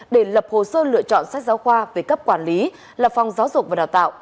để lập hồ sơ lựa chọn sách giáo khoa về cấp quản lý lập phòng giáo dục và đào tạo